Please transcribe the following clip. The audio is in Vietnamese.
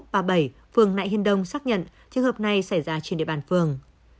phường nại hiên đông xác nhận trường hợp này xảy ra trên địa bàn phường